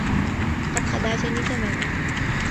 لقد خدعتني تماما.